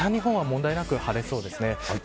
北日本は問題なく晴れそうです。